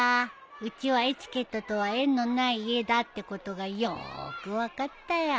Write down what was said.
うちはエチケットとは縁のない家だってことがよく分かったよ。